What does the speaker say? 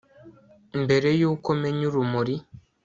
mbere yuko menya urumuri